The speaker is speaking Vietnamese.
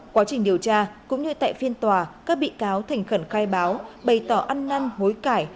quá trình điều tra cũng như tại phiên tòa các bị cáo thành khẩn khai báo bày tỏ ăn năn hối cải